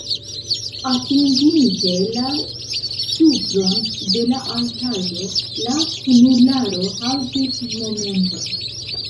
Atinginte la supron de la altaĵo, la kunularo haltis momenton.